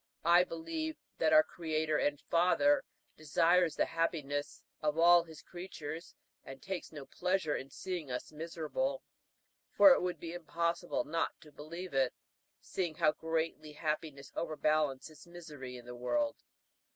"I believe that our Creator and Father desires the happiness of all his creatures and takes no pleasure in seeing us miserable; for it would be impossible not to believe it, seeing how greatly happiness overbalances misery in the world.